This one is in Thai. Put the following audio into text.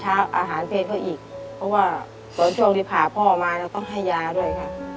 เช้ามาก็ต้องหุงหาทั้งหมดข้าวให้พ่อกับน้องกินกันก่อน